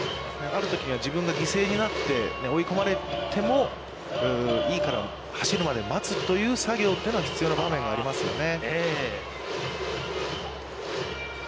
あるときには、自分が犠牲になって、追い込まれてもいいから走るまで待つという作業は必要な場面がありますよね。